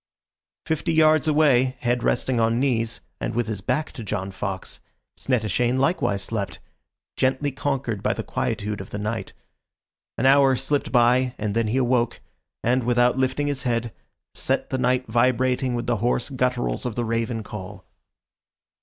Fifty yards away, head resting on knees, and with his back to John Fox, Snettishane likewise slept, gently conquered by the quietude of the night. An hour slipped by and then he awoke, and, without lifting his head, set the night vibrating with the hoarse gutturals of the raven call.